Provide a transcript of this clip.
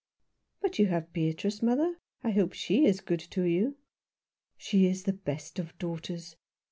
"But you have Beatrice, mother. I hope she is good to you." " She is the best of daughters.